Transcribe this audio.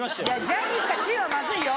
ジャニーズが「ち」はまずいよ。